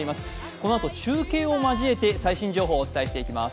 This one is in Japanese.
このあと中継を交えて最新情報をお伝えしていきます。